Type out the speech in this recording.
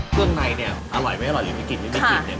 เรื่องในเนี่ยอร่อยไหมอร่อยหรือไม่มีกลิ่นไม่มีกลิ่นเนี่ย